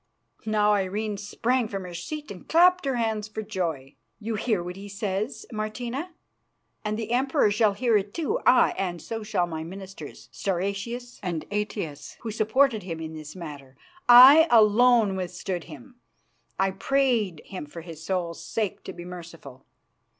Now Irene sprang from her seat and clapped her hands for joy. "You hear what he says, Martina, and the Emperor shall hear it too; aye, and so shall my ministers, Stauracius and Aetius, who supported him in this matter. I alone withstood him; I prayed him for his soul's sake to be merciful.